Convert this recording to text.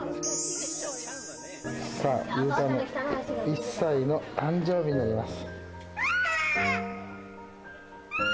さあ、裕太の１歳の誕生日になります。